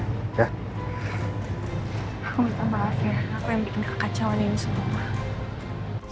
aku minta maaf ya aku yang bikin kekacauan ini semua